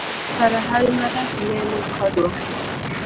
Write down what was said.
Kara hawi marach ne ni kodwa.